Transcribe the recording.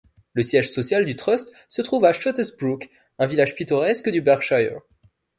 Le siège social du Trust se trouve à Shottesbrooke, un village pittoresque du Berkshire.